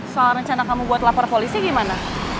soal rencana kamu buat lapor polisi gimana